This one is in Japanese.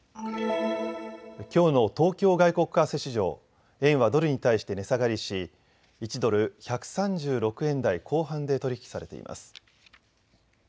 きょうの東京外国為替市場、円はドルに対して値下がりし１ドル１３６円台後半で取り引きされています。